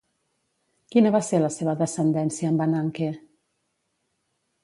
Quina va ser la seva descendència amb Ananke?